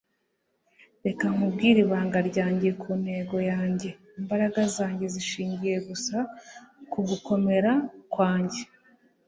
reka nkubwire ibanga ryangeze ku ntego yanjye. imbaraga zanjye zishingiye gusa ku gukomera kwanjye